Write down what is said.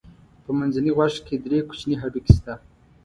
په منځني غوږ کې درې کوچني هډوکي شته.